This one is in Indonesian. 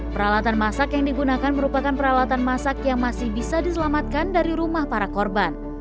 peralatan masak yang digunakan merupakan peralatan masak yang masih bisa diselamatkan dari rumah para korban